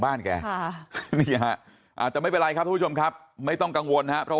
บ้านแกอาจจะไม่เป็นไรครับทุกชมครับไม่ต้องกังวลนะเพราะ